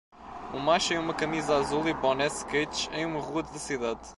O macho em uma camisa azul e boné skates em uma rua da cidade.